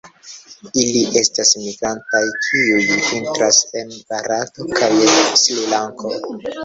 Ili estas migrantaj, kiuj vintras en Barato kaj Srilanko.